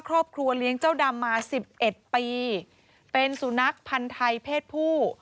ครอบครัวเลี้ยงเจ้าดำมาสิบเอ็ดปีเป็นสุนัขพันธ์ไทยเพศผู้